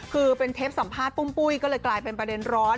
คือเป็นเทปสัมภาษณ์ปุ้มปุ้ยก็เลยกลายเป็นประเด็นร้อน